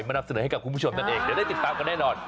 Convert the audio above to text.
นำเสนอให้กับคุณผู้ชมนั่นเองเดี๋ยวได้ติดตามกันแน่นอน